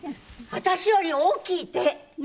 私より大きいの？